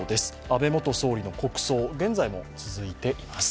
安倍元総理の国葬、現在も続いています。